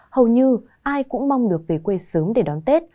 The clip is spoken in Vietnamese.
hầu như ai cũng mong được về quê sớm để đón tết